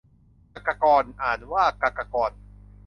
กกกร อ่านว่า กะกะกอน